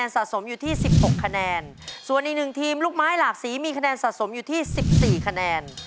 ส่วนอีกหนึ่งทีมลูกไม้หลากสีมีคะแนนสะสมอยู่ที่๑๔คะแนน